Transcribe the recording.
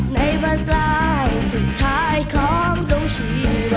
ในบ้านปลายสุดท้ายของดวงชีวิต